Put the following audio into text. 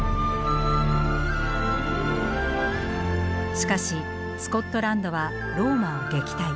しかしスコットランドはローマを撃退